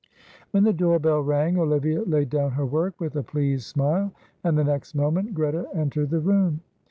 When the door bell rang Olivia laid down her work with a pleased smile, and the next moment Greta entered the room.